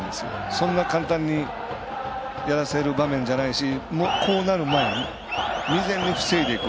そんな簡単にやらせる場面じゃないしこうなる前に未然に防いでいく。